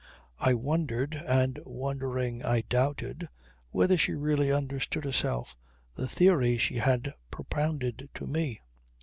I wondered and wondering I doubted whether she really understood herself the theory she had propounded to me.